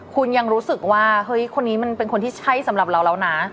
คุณยังรู้สึกว่าเฮ้ยคนนี้มันเป็นคนที่ใช่สำหรับเราแล้วนะ